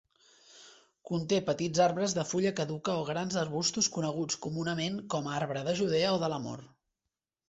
Conté petits arbres de fulla caduca o grans arbustos coneguts comunament com a arbre de Judea o de l'amor.